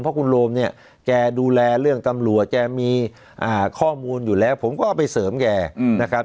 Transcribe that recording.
เพราะคุณโรมเนี่ยแกดูแลเรื่องตำรวจแกมีข้อมูลอยู่แล้วผมก็เอาไปเสริมแกนะครับ